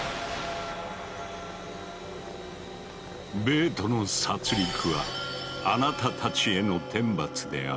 ベートの殺りくはあなたたちへの天罰である。